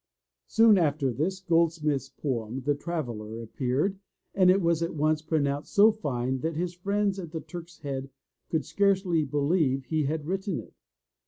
Soon after this. Goldsmith's poem, The Traveller, appeared, and it was at once pronounced so fine that his friends at the Turk's Head could scarcely believe he had written it.